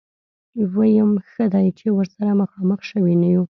ويم ښه دی چې ورسره مخامخ شوي نه يو.